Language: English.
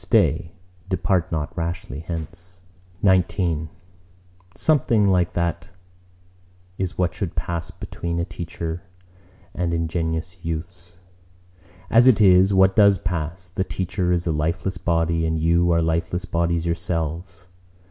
Stay; depart not rashly hence!" XIX Something like that is what should pass between a teacher and ingenuous youths. As it is, what does pass? The teacher is a lifeless body, and you are lifeless bodies yourselves.